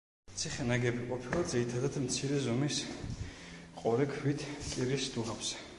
ციხე ნაგები ყოფილა ძირითადად მცირე ზომის ყორე ქვით კირის დუღაბზე.